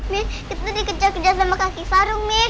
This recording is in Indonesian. mi kita dikejar kejar sama kakek sarung mi